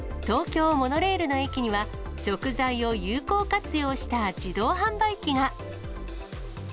東京モノレールの駅には、食材を有効活用した自動販売機が。